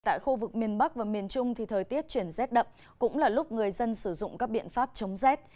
tại khu vực miền bắc và miền trung thì thời tiết chuyển rét đậm cũng là lúc người dân sử dụng các biện pháp chống rét